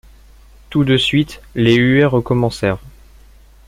Tout de suite, les huées recommencèrent.